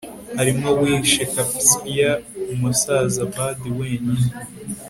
harimo will shakespeare, umusaza bard wenyine